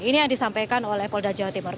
ini yang disampaikan oleh polda jawa timur